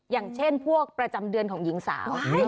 อย่างเช่นพวกประจำเดือนของหญิงสาว